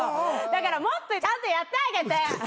だからもっとちゃんとやってあげて。